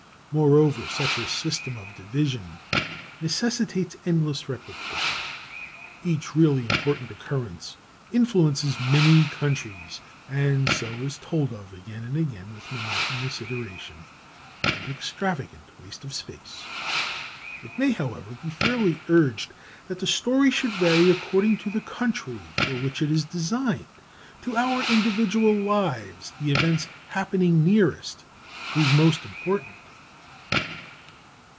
Moreover, such a system of division necessitates endless repetition. Each really important occurrence influences many countries, and so is told of again and again with monotonous iteration and extravagant waste of space. It may, however, be fairly urged that the story should vary according to the country for which it is designed. To our individual lives the events happening nearest prove most important.